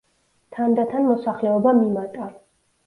თანდათან მოსახლეობამ იმატა.